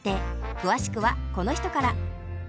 詳しくはこの人から。